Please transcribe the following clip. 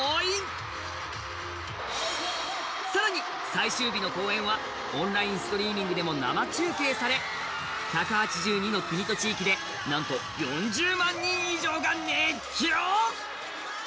最終日の公演はオンラインストリーミングでも生中継され１８２の国と地域でなんと４０万人以上が熱狂。